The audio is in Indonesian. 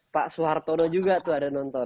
pak soehartono juga tuh ada nonton